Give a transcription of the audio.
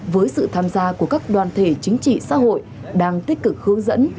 với sự tham gia của các đoàn thể chính trị xã hội đang tích cực hướng dẫn